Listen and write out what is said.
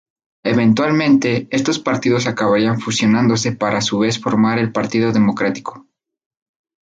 Eventualmente, estos partidos acabarían fusionándose para a su vez formar el Partido Democrático.